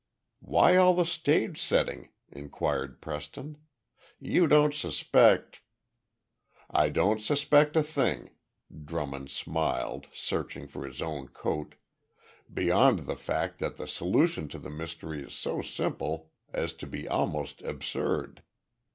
"Why all the stage setting?" inquired Preston. "You don't suspect...." "I don't suspect a thing," Drummond smiled, searching for his own coat, "beyond the fact that the solution to the mystery is so simple as to be almost absurd.